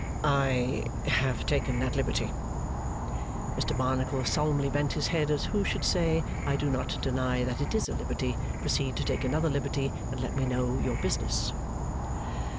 'I have taken that liberty.' Mr Barnacle solemnly bent his head as who should say, 'I do not deny that it is a liberty; proceed to take another liberty, and let me know your business.